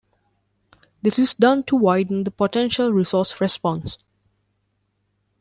This is done to widen the potential resource response.